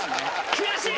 「悔しい！」